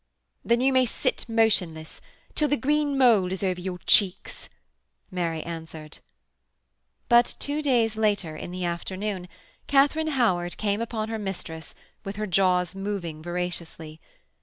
'Then you may sit motionless till the green mould is over your cheeks,' Mary answered. But two days later, in the afternoon, Katharine Howard came upon her mistress with her jaws moving voraciously.